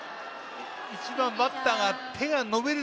一番バッターが手が伸びる